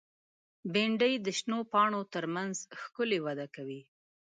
بېنډۍ د شنو پاڼو تر منځ ښکلي وده کوي